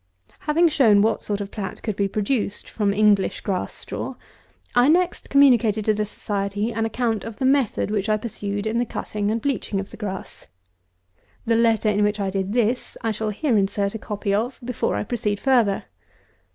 222. Having shown what sort of plat could be produced from English grass straw, I next communicated to the Society an account of the method which I pursued in the cutting and bleaching of the grass. The letter in which I did this I shall here insert a copy of, before I proceed further.